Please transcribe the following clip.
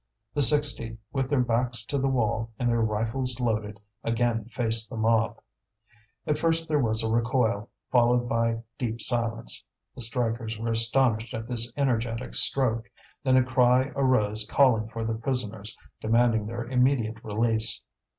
The sixty, with their backs to the wall and their rifles loaded, again faced the mob. At first there was a recoil, followed by deep silence; the strikers were astonished at this energetic stroke. Then a cry arose calling for the prisoners, demanding their immediate release.